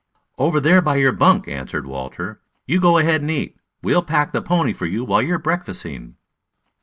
"Over there by your bunk," answered Walter. "You go ahead and eat. We'll pack the pony for you while you are breakfasting."